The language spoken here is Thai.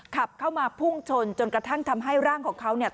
ขับเข้ามาพุ่งชนจนกระทั่งทำให้ร่างของเขาเนี่ย